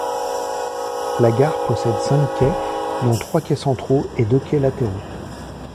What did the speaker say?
La gare possède cinq quais, dont trois quais centraux et deux quais latéraux.